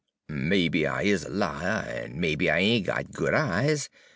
"'Mebbe I is a liah, en mebbe I ain' got good eyes.